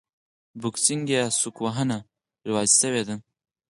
بوکسینګ یا سوک وهنه دود شوې ده.